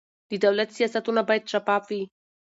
د دولت سیاستونه باید شفاف وي